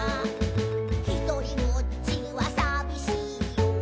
「ひとりぼっちはさびしいよ」